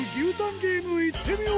ゲーム、いってみよう！